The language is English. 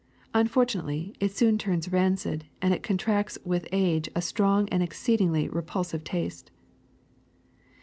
Unfortunately, it soon turns rancid and it contracts with age a strong and exceedingly repul sive taste.